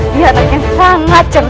dia anak yang sangat cerdas